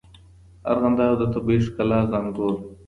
ارغنداب د طبیعي ښکلا زانګو ده.